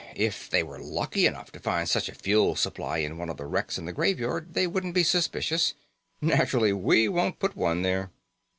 If they were lucky enough to find such a fuel supply in one of the wrecks in the Graveyard, they wouldn't be suspicious. Naturally, we won't put one there."